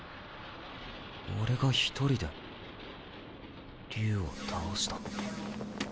俺が１人で竜を倒した